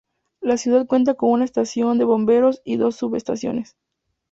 La ciudad cuenta con una estación de bomberos y dos subestaciones.